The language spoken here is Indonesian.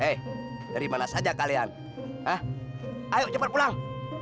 eh dari mana saja kalian eh ayo cepat pulang